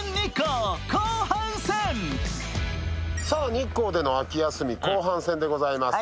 日光での秋休み後半戦でございます。